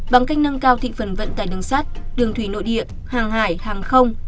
bằng cách nâng cao thị phần vận tải đường sắt đường thủy nội địa hàng hải hàng không